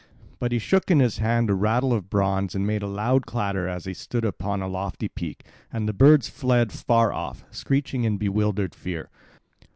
But he shook in his hand a rattle of bronze and made a loud clatter as he stood upon a lofty peak, and the birds fled far off, screeching in bewildered fear.